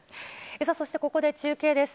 そしてここで中継です。